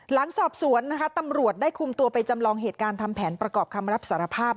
หลังสอบสวนนะคะตำรวจได้คุมตัวไปจำลองเหตุการณ์ทำแผนประกอบคำรับสารภาพ